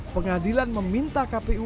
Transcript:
pengadilan meminta kpu